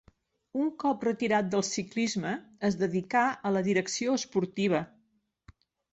Un cop retirat del ciclisme, es dedicà a la direcció esportiva.